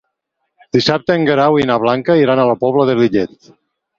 Dissabte en Guerau i na Blanca iran a la Pobla de Lillet.